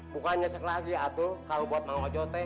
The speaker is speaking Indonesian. bukan nyesek lagi atul kalau buat mengajau